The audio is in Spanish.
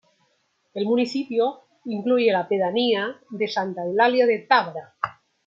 El municipio incluye la pedanía de Santa Eulalia de Tábara.